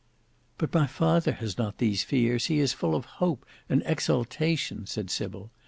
"But my father has not these fears; he is full of hope and exultation," said Sybil.